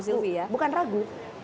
ternyata aku bukan ragu